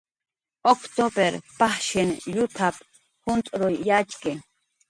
"Uctupr pajshin llutap"" juncx'ruy yatxki."